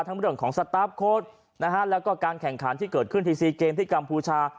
ทั้งวิดีโอของนะฮะแล้วก็การแข่งขันที่เกิดขึ้นทีซีเกมที่กำพูชา